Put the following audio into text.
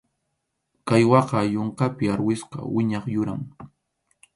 Caiguaqa yunkapi arwispa wiñaq yuram.